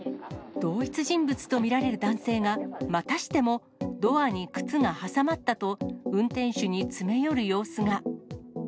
同一人物と見られる男性が、またしても、ドアに靴が挟まったと、運転手に詰め寄る様子が。